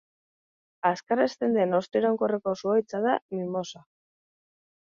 Azkar hazten den hosto iraunkorreko zuhaitza da mimosa.